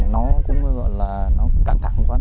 nó cũng gọi là nó cạn thẳng quá